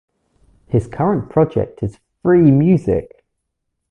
His current project is Free Music!